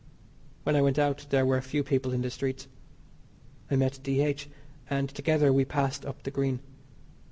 When I went out there were few people in the streets. I met D.H., and, together, we passed up the Green.